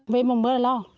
về một mưa là lo